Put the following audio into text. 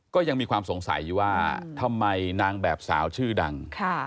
ก็ยังมีความสงสัยอยู่ว่าทำไมนางแบบสาวชื่อดัง